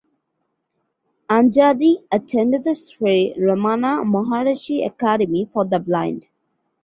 Angadi attended the Shree Ramana Maharishi Academy for The Blind.